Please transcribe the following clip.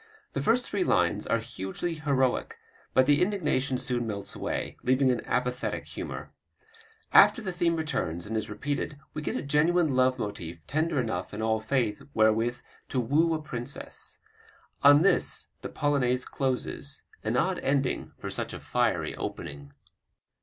The first three lines are hugely heroic, but the indignation soon melts away, leaving an apathetic humor; after the theme returns and is repeated we get a genuine love motif tender enough in all faith wherewith to woo a princess. On this the Polonaise closes, an odd ending for such a fiery opening.